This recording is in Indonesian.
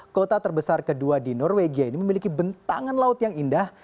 kota terbesar kedua di norwegia ini memiliki bentangan laut yang indah